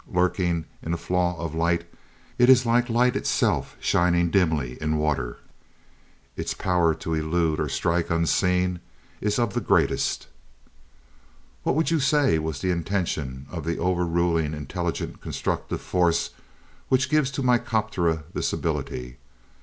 Lurking in a flaw of light, it is like the light itself shining dimly in water. Its power to elude or strike unseen is of the greatest. What would you say was the intention of the overruling, intelligent, constructive force which gives to Mycteroperca this ability?